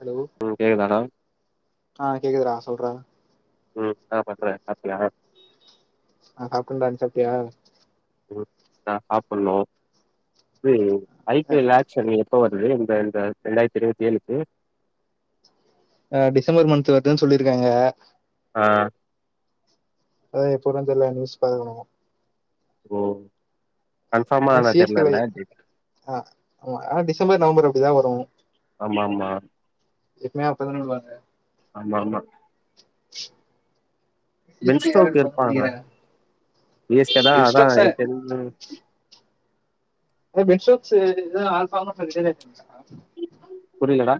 Hello ம் கேக்கு தானா ஆ கேக்குதுரா சொல்றா ம் இன்னா பண்ற சாப்ட்டியா ஆ நா சாப்டேன்டா நீ சாப்ட்டியா ம் நா சாப்பணோ இது ஐ பி எல் லேட்ச் சென்னைல இப்போ வருது இந்த இந்த ரெண்டாயிரத்து இருவத்தி ஏழுக்கு ஆ டிசம்பர் மன்த்து வெக்கரன்னு சொல்லிருக்காங்க ஆ அது எப்போனு தெர்ல நியூஸ் பாக்கணோ ஓ கன்ஃபார்மா ஆனா சி ஸ் கேலை தெர்லல்ல டேட் ஆ ஆமா ஆனா டிசம்பர் நவம்பர் அப்டிதா வரோ ஆமா ஆமா எப்பயுமே அப்பதான விடுவாங்க ஆமா ஆமா சி எஸ் பென் கே யார ஸ்டோக் எடுப்பாங்கனு இருப்பானா நெனக்கிற ஸ்டோக்ஸ்சே என்ன அ பென் ஸ்டோக்ஸ்சு தா ஹால் ஃபார்மேட்டுல ரிட்டயர்டு ஆயிட்டாரே புரியலடா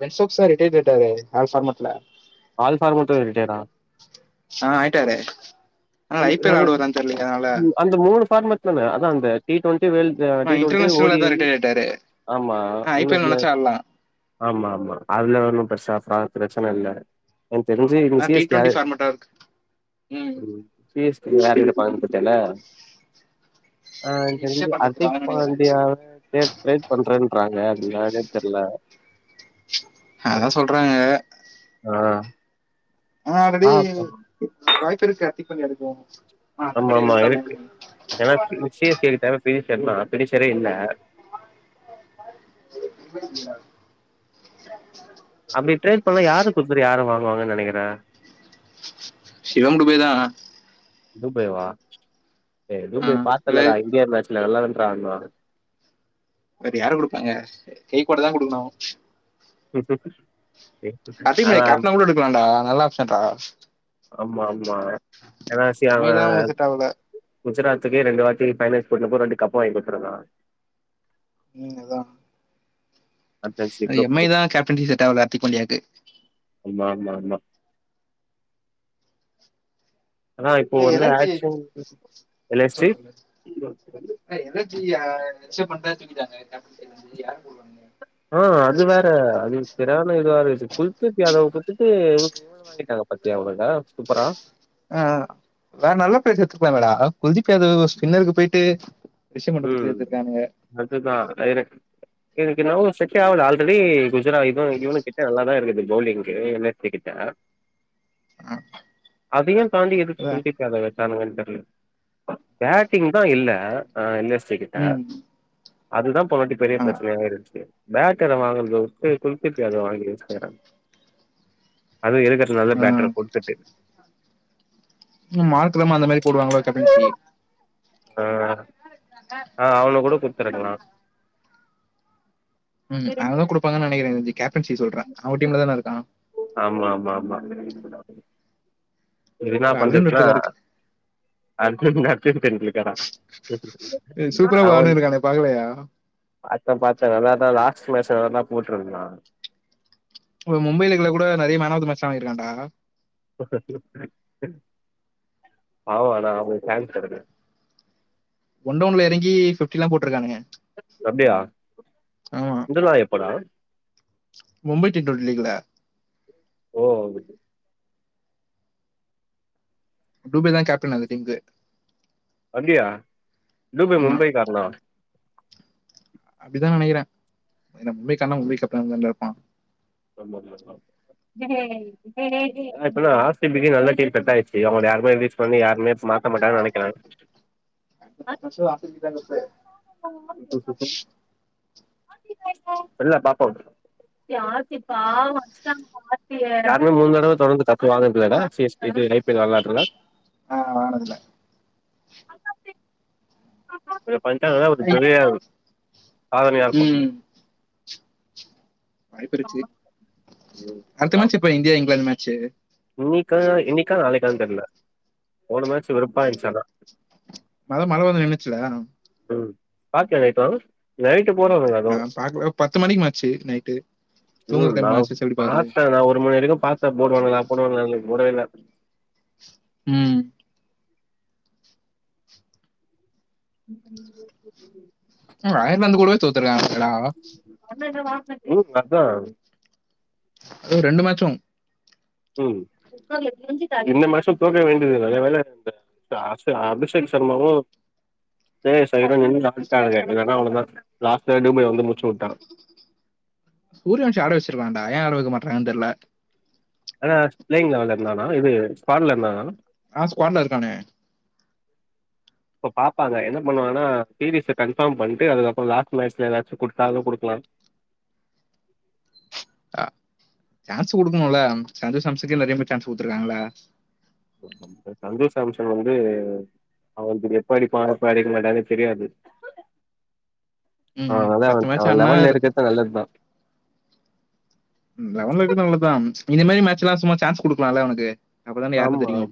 பென் ஸ்டோக்ஸ்சு தா ரிட்டேராய்டாரே ஹால் ஃபார்மெட்ல ஆல் ஃபார்மட்டு இருக்கேடா ஆ ஆயிட்டாரே த் அது ம் அந்த மூணு ஃபார்மெட் தான அதா அந்த டிடொன்டி வேல்ட் இதா ஆ டிடொன்டி இன்டர்நேஷனல்ல தா ஓடியையி ரிட்டையர் ஆயிட்டாரு ஆமா ஆ ஐ பி இன்னோ எல் எதுல நெனச்சா ஆடலா ஆமா ஆமா அதுல ஒன்னு பெருசா ப்ரா ப்ரெச்சன இல்ல எனக் தெரிஞ்சு இது ஆ C D S K twenty யாரு ஃபார்மட்டா இருக்கு ம் சி எஸ் கே யார் எடுப்பாங்கனுப் பத்தேல ஆ எனக் ரிஷப் தெரிஞ்சு பண்ட் ஹர்த்திக் எடுத்துருவாங்கன்னு நெனைக்கிற பாண்டியாவ சேரி ட்ரை பண்றேன்றாங்க அப்டினான்னே தெர்ல ஹா அதா சொல்றாங்க அ ஆல்ரெடி வாய்ப்பு இருக்கு ஹர்த்திக் பாண்டிய எடுக்கவு ஆமா ஆமா இருக்கு ஏனா நிச்சய சேசுக்கு தேவ ஃபினிஷர் தா ஃபினிஷரே இல்ல [unintelligible] அப்டி ட்ரேட் பண்ண யார குடுத்துட்டு யார வாங்குவாங்கனு நெனக்கிற ஷிவம் டுபே தா துபேவா ஏய் ஆ துபே இல்ல பாத்தேலடா இந்தியன் மேட்ச்ல நல்லாதாண்ட்றா ஆடுனா வேற யார குடுப்பாங்க கெய்குவாடு தா குடுக்கணு ஹர்திக் பாய் ஆனா கேப்டனா கூட எடுக்கலாடா நல்லா ஆப்ஷன்றா ஆமா ஆமா என்னா எம் ஐ தா செய்வாங்கள் உங்களுக்கு செட் ஆகல குஜராத்துக்கே ரெண்டு வாட்டி ஃபைனல்ஸ் கூட்டுனுபோ ரெண்டு கப்பு வாங்கி குடுத்திருக்கா ம் அதா சாம்பியன்ஸ் லீக் அ எம் ஐ கூட தா கேப்டன்சி செட் ஆவல ஹர்திக் பாண்டியாக்கு ஆமா ஆமா ஆமா. ஆனா இப்போ ஏ வந்து எனர்ஜி ஆக்ஷன் கிங் ஆனா எல் எஸ் ஜு அ ரிஷப் பண்டே தூக்கிட்டாங்க கேப்டன் ஆ அது வேற அது சரியான இதுவா இருக்குது குல்திப் யாதவ குடுத்துட்டு இவன வாங்கிட்டாங்க பாத்தியா அவுங்க சூப்பரா ஆ வேற நல்லா பேர் எத்துக்கலாமே டா குல்திப் யாவத ஸ்பின்னருக்கு போயிட்டு ரிஷப் மண்ட குடுத்து ம் எடுத்துருக்கானுங்க அதுதா எனக்கு எனக்கு என்னவோ செட்டே ஆவல ஆல்ரெடி ம் இல்லடா இவே இவனு கிட்ட நல்லாதா இருக்குது பௌவுலிங்கு எல் எஸ் ஜீ கிட்ட அதயு தாண்டி எதுக்கு அதா குல்திப் எதுக்கு அத வெச்சானுங்கனு தெர்ல பேட்டிங் தா இல்ல ஆ எல் எஸ் ஜீ கிட்ட ம் அதுதா போனவாட்டி பெரிய ஆ ப்ரெச்சனயா இருந்துச்சு பேட்டர வாங்கறதவுட்டு குல்திப் யாதவ வாங்கி வச்சுகிறான்க அதுவு இருக்குற நல்ல ஆ பேட்டர குடுத்துட்டு ம் மார்க்லாமா அந்த மாரி போடுவாங்களா கேப்டன்சி ஆ என்னா சார் ஆ அவனு கூட குடுத்துருக்கலாம் ம் அவனும் குடுப்பாங்க நினைக்கிறேன் இது கேப்டன்சி சொல்ற அவன் டீம்ல தான இருக்கான் ஆமா ஆமா ஆமா எதுனா அர்ஜுன் பண்றதுன்னா ரெட்லக்காரு அர்ஜென்ட் அர்ஜென்னு [unintelligible] கேட்‌‌‌டா சூப்பரா அவன் ஆடுனிருக்கானே பாக்கலையா சாப்ட சாப்ட நல்லா ஆடுனா லாஸ்ட் மேட்ச்ல வேண்னா போட்ருக்கலா ஒரு மும்பைல இருந்தா கூட நறைய மேன் ஆஃப் தி மேட்ச் வாங்கி இருக்கான்டா ஆமாண்ணா அவனுக்கு சான்ஸ் இருக்கு ஒன்டோன்ல இறங்கி ஃபிஃப்டில்லாம் போட்டிருக்கானுங்க தம்பே இந்தல்லா எப்படா மும்பை டீம் ட்வென்டி லீக்ல ஓ வந்துட்டு இபுபேதான் கேப்டன் அந்த டீம்க்கு அப்டியா என்ன பாய் ஆமா மும்பை கேப்டனா அப்டித்தான் நினைக்கிறேன் என்ன மும்பை காரண மும்பைக்கு கேப்டனா தான்டா இருப்பான் அ ரொம்ப போல்டு தான் எமலேய் டேய் இப்ப தான் ஆஸ்பிட்டலுக்கே நல்ல கேட் கட்டாய்டுச்சி அவனுடைய அனுபவம் யூஸ்‌ பன்னி யாருமே மாத்த மாட்டாங்கனு நினைக்குற சோ அப்டியே வீட்டான்ட அனுப்பு [unintelligible] யாசி பாவோ அஸ்ட்டாங் யாரு மே மூனு தடவ தொடர்ந்து கப்பு வாங்கனதில்லல சி எஸ் கே இது ஐப்பிள வளாட்டுறத ஆ ஆனதில்ல ஒன்னு பண்டாங்கன்னா அப்டி ஐ தெரியாது யார் யார் பக்கம் ம் வாய்ப்பிருன்ச்சி ம் அடுத்த மேட்சு எப்ப இந்தியா இங்கிலாந்து மேட்சு இன்னிக்கா இன்னிக்கா நாளைக்கான் தெர்ல போன மேச்சு வெறுப்பா ஆய்ருச்சி அனா அதா மழ வந்து நின்னுச்சுல ம் பாக்க லைட்டோ நைட் போனானுங்களா ஆ நா பாக்கல பத்து மணிக்கு மேட்ச் நைட்டு தூங்குற ம் டைம் நான் மேட்சஸ் எப்படி பாக்குறது? பார்த்தேன் நான் ஒரு மணி வரைக்கும் பத்தே போடு வாண்ணுங்கலா போடு வாண்ணுங்கலா இல்ல போடவே இல்ல ம் [inaudible] அவ ஐயர்நாந்து கூடவே சுத்தராங்களடா ம் அத அ ரெண்டு மேட்சும் உ இந்த மாசோ தோற்க்க வேண்டியது நல்ல வேல இந்த இந்த அஸ் அபிஷேக் ஷர்மாவும் ஏ ஐ சைடுல நின்னு ஆடிட்டாங்க இல்லனா அவ்ளோ‌தா லாஸ்ட் ஒன்னுமே வர்ல இதுஸமுடிச்சு விட்டா ஊரியா வச்சு ஆட வச்சிருக்கலான்டா ஏன் ஆட வைக்க மாட்டிக்குராங் தெர்ல எதனா ஸ்ப்லேயிங்ல வந்து இருந்தானா இது ஸ்பாட்ல இருந்தான்னா ஆன் ஸ்பாட்ல இருக்கானே இப்ப பாப்பாங்க என்ன பண்ணுவானா டி வி எஸ் அ கன்ஃபாம் பன்ட்டு அதுக்கப்பறோ லாஸ்ட்ல எதாச்சு குடுத்தாலு குடுக்லா சான்ஸ் குடுக்குணுல்ல சந்தோசம்ஸ்கே நெறைய பேர் சான்ஸ் குடுத்துருக்காங்கள சந்தோஷ்சம்ஷன் வந்து அவன்து எப்ப அடிப்பா எப்ப அடிக்க மாட்டானு தெரியாது அ ம். அவத அவ மேட்ச் ஆடுனா லவெல்ல இருக்கற்து நல்லது தா லவன்ல இருக்கது நல்லது தா இதி மாரி மேட்ச் எல்லா சும்மா சான்ஸ் குடுக்கலால அவனுக்கு அப்பதானே யாருன்னு ஆமா தெரியும்.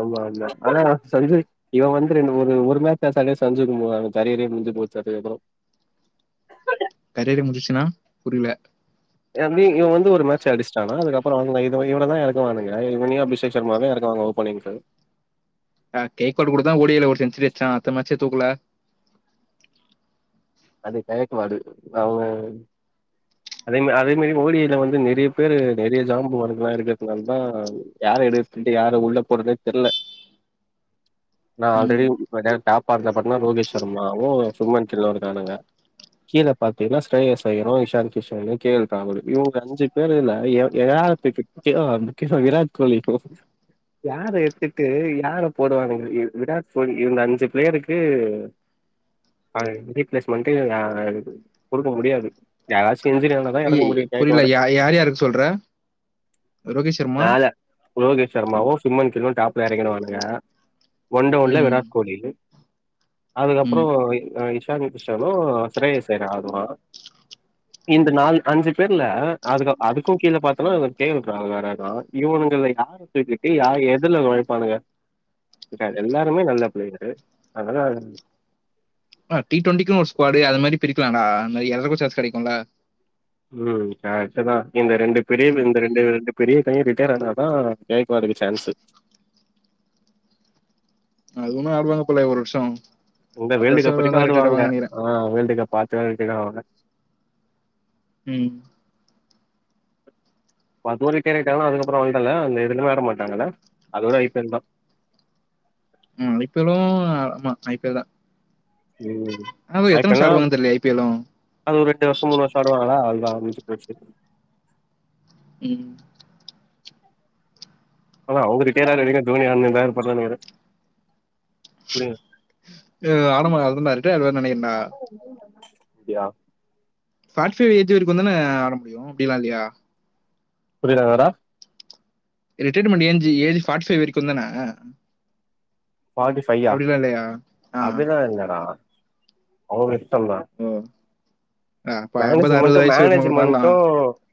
ஆமா ஆமா ஆன சஞ்சய் இவ வந்து ரெண்டு ஒரு ஒரு மேட்ச்தா சண்டே சஞ்சுக்கு கரியரே முஞ்சி போச்சி அதுகப்பறோ கரியரே முஞ்சிச்சுன்னா புரில எப்டி இவ வந்து ஒரு மேட்ச் அட்ச்ட்டானா அதுக்கப்பறோ இவனதா எறக்குவானுங்க இவனயு அபிஷேக் ஷர்மாவையு எறக்குவாங்க போனிக்கு ஆ கேக்கடூடுதா ஒடில ஒரு செஞ்சுரி அட்ச்சா அத்த மேச்சே தூக்கல அது கயக்வாடு அவுங்க அதே மா அதே மாரி மோடியில வந்து நெறைய பேரு நெறைய ஜாம்புவானுங்ககெல்லா இருக்கறதுனால தா யார எடு வன்ட்டு யாரு உள்ள போறதே தெர்ல நா ம். ஆல்ரெடி டாப்பா இர்க்ல பாத்தினா ரோகேஷ் சர்மாவு சும்மன் கில்லரு கானுங்க கீழ பாத்தீன்னா ஸ்ரேயசையரு, இஷான் கிஷனு, கே எல் பேமடு இவுங்க அஞ்சு பேர்ல எராத்துக்கு கேவா வந்து விராட் கோலி யாரு எத்துட்டு யார போடுவானுங்க விராட் கோலி இந்த அஞ்சு பேருக்கு அஞ்சு ப்ளேஸ்மன்டு கொடுக்க முடியாது யாரா செஞ்சுரி வாங்னா அய்யய் புரில யார் யாருக்கு சொல்ற ரோஹித்ஷர்மா ரோகிஷ் ஷர்மாவு சுமன் கில்லு டாப்ல எறங்கிறுவானுங்க ஒன் ரவுண்ட்ல ம். விராட் கோலி ம். அதுக்கப்பறோ டானி குஷனு சகயசேர ஆதுமா இந்த நாலு அஞ்சு பேர்ல அதுக்கு அதுக்கு கீழ பாத்தன்னா டேவிட்றாங் வேறஇர்க்கா இவுங்கல யாரு துக்கு யாரு எதுல ஒழைப்பானுங்க எல்லாருமே நல்ல பிளேயரு அதனால அ டி டுவெண்டிக்கு ஒரு ஸ்குவாடு அது மாரி பிரிக்கலாடா அதுமாரி எல்லொருக்கு சான்ஸ் கெடைக்குல ம் கர்ட்டுதா இந்த ரெண்டு பெரி ம். இந்த ரெண்டு ரண்டு பெரிய கை ரிட்டையர் ஆன தா கெய்க்குவாடுக்கு சான்ஸு அது ஒன்னு ஆடுவாங்க போல ஒரு வர்ஷோ இந்த வேர்ல்டு கப் வரைக்கு ஆடுவாங்க ஆ வேர்ல்டு கப் ஆச்சுனா ரிடைர்ஆவாங்க ம் அது ஒரு கேறிட்டாங்கா அதுக்கப்பறோ இல்ல அந்த இது விளாட மாட்டாங்கல்ல அதோட ஐ டென் தா இப்பலு ஆமா ஐ பி ல் தா ம் ஆனா ஐ எத்தன பி எல் வருஷ னா ஆடுவாங்கனு தெரிலயே ஐ பி எல்லும் அது ஒரு எட்டு வருஷோ மூனு வருஷோ ஆடுவாங்களா அவ்ளதா முடிஞ்சி போச்சி ம் அதா அவுங்க ரிட்டையர் ஆகுர வரிக்கு தோனி அண்ண இர்ப்பார் நெனைக்கற புரிய எஹ் ஆடாமடா அதுதான்டா ரிடைய்ர் ஆய்ருவாருனு நெனைக்கிறன்டா யா ஃபாக்சி ஏஜ் வரிக்குதான ஆட முடியு அப்டில்லா இல்லையா புரில என்னடா ரிட்டைர்மென்ட் ஏன் ஜி ஏஜ் ஃபாட்டிஃபை வரைக்குந்தான ஃபார்ட்டி ஃபையா இல்லையா? ஆ. அப்டிலா இல்லடா அவங்க இஷ்டோ தா ஓ அ அப்ப மேனேஜ்மெண்டு வயசு வரைக்கும் கூட மாறலாம். மேனேஜ்மெண்ட்டு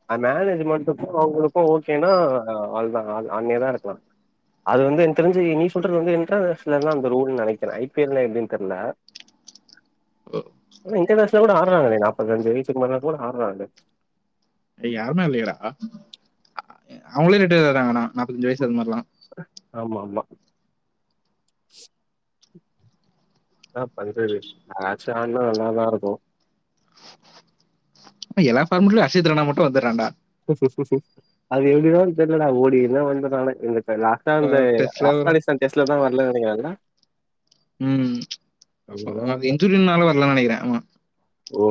ஆ மேனேஜ்மெண்ட்டுக்கு அவங்களுக்கு ஓகேனா அவ்ளோதா ஆட்னேதா இருக்கலா அது வந்து எனக்கு தெரிஞ்சு நீ சொல்றது வந்து இன்டர்நேஷனலல்லா அந்த ரூல்னு நெனைக்கிறே ஐ பி எல் ல எப்டின்னு தெரில [unintelligible] ம் இன்டர்நேஷனல் ல கூட ஆட்றாங்ளே நாப்பத்து அஞ்சு வயசுக்கு மேல கூட ஆட்றாங்ளே யாருமே இல்லியேடா அவங்களே ரிடையர் ஆயிடுறாங்கண்ணா நாப்பத்தஞ்சு வயசு அது மாரிலா ஆமாம்மா என்ன பண்றது யாருச்சு ஆட்னா நல்லாதா இருக்கு எல்லா ஃபார்மட்டலு அஷித்ரனா மட்டு வந்துறாண்டா அது எப்டின்னு தெரியலடா ஓடி என்ன வந்தே நானு லாஸ்டா இந்த டெஸ்ட்ல ஆப்கானிஸ்தா டெஸ்ட்ல தா வர்லனு நெனைக்கிறே என்ன ம் அப்ப அது இன்சூரின்னால வர்லனு நெனைக்கிறே அவ ஓ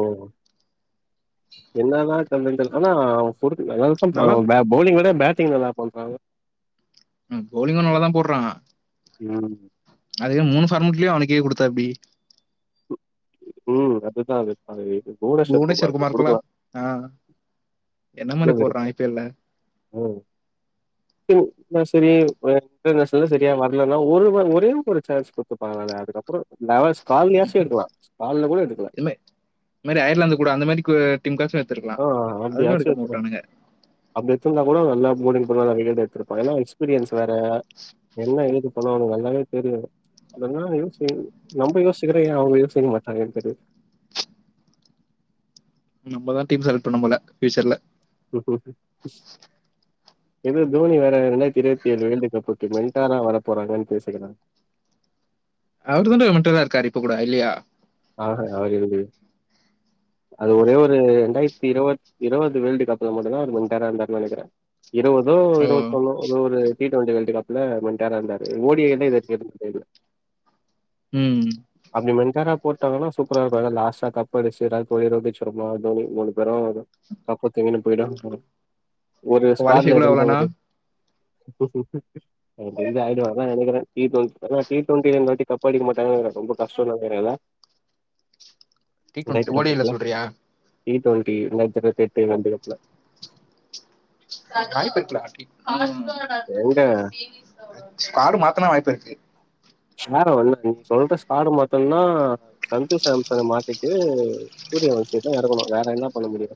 என்னதான் [inaudible] ஆனா நல்லா அவ பௌலிங் விட பேட்டிங் நல்லா பண்றான்ல ம் போலிங்கு நல்லா தா போட்றா ம் அதுவே மூணு பார்மட்லேயு அவனுக்கே குடுத்தா எப்டி ம் அதுதா அது அது புவனேஷ்வர் புவனேஸ்வர் குமருக்கு குமார்க்குலாம் குடுக்கலா என்ன மாதிரி போடுறான் [unintelligible] ஐபிஎல்ல ம் [inaudible] இன்டர்நேஷனல செரியா வர்லன்னா ஒரு ஒரே ஒரு சான்ஸ் குடுத்துப்பாகலால அதுக்கப்றோ கால்லியாச்சு எடுக்கலா கால்ல கூட எடுக்கல இந்த மாரி அயர்லாந்து கூட அந்த மாரி டீம் காச்சு எடுத்துருக்கலா ஆ அதுலயு அப்டியாச்சு எடுக்காமா எடுத்து உட்டானுங்க அப்டி எத்துருந்தா கூட நல்லா போர்டிங் போட்வா நெறையா விக்கெட் எத்துருப்பா ஏன்னா எக்ஸ்பீரியன்ஸ் வேற என்ன ஏது ஆனா அவனுக்கு நல்லாவே தெரியு இதெல்ல யோச்சு நம்ப யோசிக்கிறோ ஏ அவங்க யோசிக்க மாட்றாங்கன்னு தெரில நம்மதா டீம் செலக்ட் பண்ணனு போல பியூச்சர்ல உ ஏதோ தோனி வேற ரெண்டாயிரத்தி இருவத்தேழு வேர்ல்டு கப்க்கு வன்ட்டாரா வர போறாரான்னு பேசிகலா அவருதான்டா மென்டரா இருக்காரு இப்ப கூட இல்லியா ஆஹ அவரு அது ஒரே ஒரு ரெண்டாயிரத்தி இருவத் இருபது வேர்ல்டு கப்ல மட்டுதா அவரு மென்டாரா இருந்தார்னு நெனைக்கிற இருவதோ ஓ இருவத்தொண்ணோ ஒரு ஒரு டி டுவெண்டி வேர்ல்டு கப்ல மென்டாரா இருந்தாரு ஓ டி ம் அப்டி மென்டாராப் போட்டாங்கன்னா சூப்பரா இருக்கு ஏன்னா லாஸ்டா கப்படிச்சு விராட் கோலி ரோகித்சர்மா தோனி மூணு பேரு கப்பத்தூக்கின்னு போயிடுவாங்க ஒரு குவாலிஃபை ஸ்கார்ல கூட இருந்த அவ்வளோனா ஒரு க்கு க்க்க்கு எனக்கு தெரிஞ்சு ஆயிடுவான்னு தா நெனைக்கிறே டி அதா டி டெவெண்ட்டி கப்படிக்க மாட்டாங்க ரொம்ப கஷ்டோ தான்றாங்க என்னடா டி ரெண்டாயிறத்து டுவெண்ட்டி இருபத்து ஓடியில் எட்டுல சொல்றியா டி டுவெண்டி ரெண்டாயிரத்து இருபத்தெட்டு அந்த கப்ல [unintelligible] எங்க [unintelligible] மாத்துனா வாய்ப்பு இருக்கு ஸ்பாரா என்னா நீ சொல்ற ஸ்பார மாத்தனுன்னா சந்தோஷ் ஹம்சன மாத்திட்டு சூரிய வன்சிய தா எறக்கணு வேற என்ன பண்ண முடியு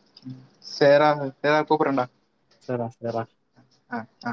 சேரா அ கூப்புறண்டா செரா செரா ஆ ஆ